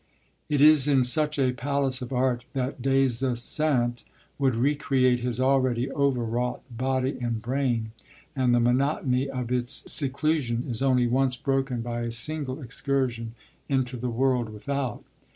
It is in such a 'Palace of Art' that Des Esseintes would recreate his already over wrought body and brain, and the monotony of its seclusion is only once broken by a single excursion into the world without.